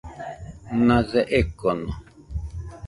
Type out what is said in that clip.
Nase ekono.